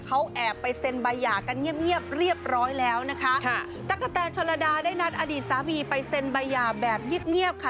เขาแอบไปเซ็นใบหย่ากันเงียบเงียบเรียบร้อยแล้วนะคะค่ะตั๊กกะแตนชนระดาได้นัดอดีตสามีไปเซ็นใบหย่าแบบเงียบเงียบค่ะ